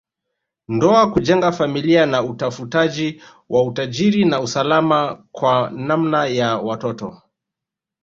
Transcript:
Ndoa kujenga familia na utafutaji wa utajiri na usalama kwa namna ya watoto